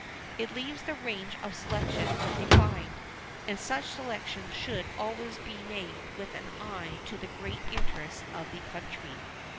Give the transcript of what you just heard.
It leaves the range of selection undefined; and such selection should always be made with an eye to the great interests of the country.